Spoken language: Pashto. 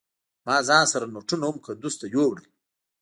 ما ځان سره نوټونه هم کندوز ته يوړل.